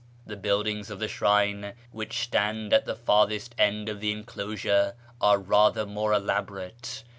The buildings of the shrine, which stand at the farther end of the enclosure, are rather more elaborate.